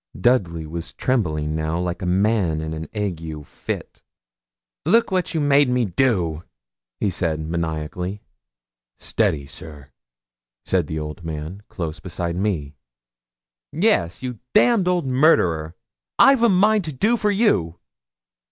Dudley was trembling now like a man in an ague fit. 'Look what you made me do!' he said, maniacally. 'Steady, sir!' said the old man, close beside me. 'Yes, you damned old murderer! I've a mind to do for you.'